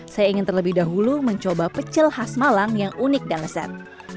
saya ingin terlebih dahulu mencoba pecel khas malang yang unik dan lezat